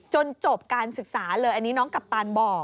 จบการศึกษาเลยอันนี้น้องกัปตันบอก